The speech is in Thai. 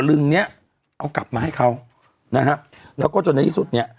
ลึงเนี้ยเอากลับมาให้เขานะฮะแล้วก็จนในที่สุดเนี้ย